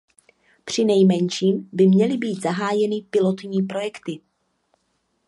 Přinejmenším by měly být zahájeny pilotní projekty.